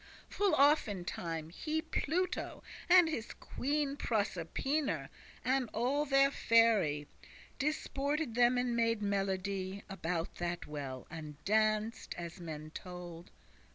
Full often time he, Pluto, and his queen Proserpina, and all their faerie, Disported them and made melody About that well, and danced, as men told.